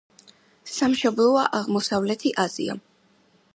სამშობლოა აღმოსავლეთი აზია.